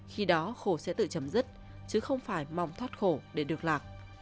khi đó khổ sẽ tự chấm dứt chứ không phải mong thoát khổ để được lạc